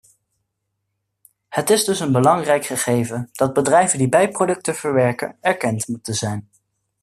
Het is dus een belangrijk gegeven dat bedrijven die bijproducten verwerken erkend moeten zijn.